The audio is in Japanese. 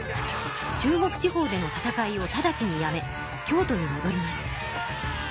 中国地方での戦いを直ちにやめ京都にもどります。